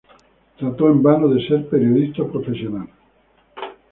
Trató, en vano, de ser periodista profesional.